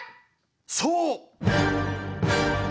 そう。